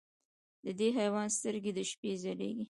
د دې حیوان سترګې د شپې ځلېږي.